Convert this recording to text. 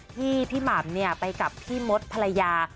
ที่พี่หม่ำไปกับพี่มดภรรยา